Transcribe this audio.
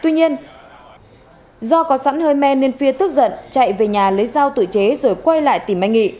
tuy nhiên do có sẵn hơi men nên phía tức giận chạy về nhà lấy dao tự chế rồi quay lại tìm anh nghị